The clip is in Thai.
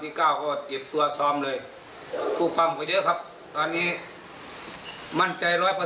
เตรียมป้องกันแชมป์ที่ไทยรัฐไฟล์นี้โดยเฉพาะ